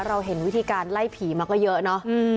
เราเห็นวิธีการไล่ผีมาก็เยอะเนอะ